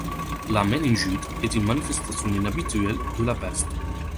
La méningite est une manifestation inhabituelle de la peste.